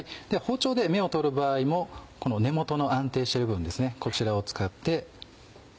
では包丁で芽を取る場合もこの根元の安定している部分こちらを使って。